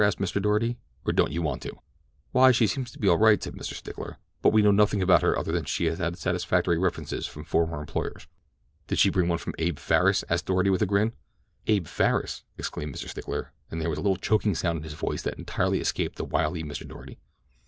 asked Mr. Doarty, "or don't you want to?" "Why, she seems to be all right," said Mr. Stickler. "But we know nothing about her other than that she had satisfactory references from former employers." "Did she bring one from Abe Farris?" asked Doarty with a grin. "Abe Farris?" exclaimed Mr. Stickler, and there was a little choking sound in his voice that entirely escaped the wily Mr. Doarty.